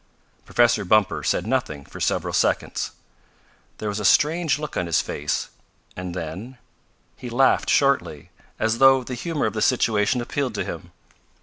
Professor Bumper said nothing for several seconds. There was a strange look on his face, and then he laughed shortly, as though the humor of the situation appealed to him.